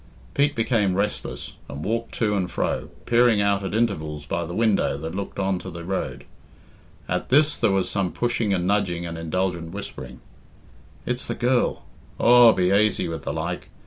Pete became restless, and walked to and fro, peering out at intervals by the window that looked on to the road. At this there was some pushing and nudging and indulgent whispering. "It's the girl! Aw, be aisy with the like!